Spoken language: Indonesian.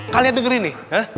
kalian dengerin nih